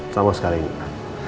sama sekali mbak